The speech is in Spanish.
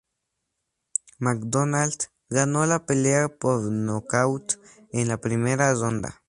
McDonald ganó la pelea por nocaut en la primera ronda.